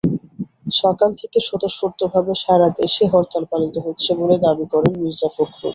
সকাল থেকে স্বতঃস্ফূর্তভাবে সারা দেশে হরতাল পালিত হচ্ছে বলে দাবি করেন মির্জা ফখরুল।